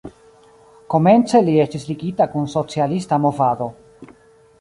Komence li estis ligita kun socialista movado.